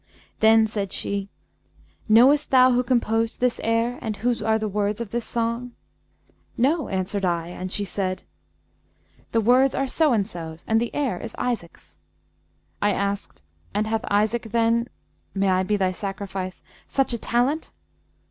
Then said she, Knowest thou who composed this air and whose are the words of this song?'"No," answered I; and she said, The words are so and so's and the air is Isaac's.' I asked 'And hath Isaac then (may I be thy sacrifice!) such a talent?'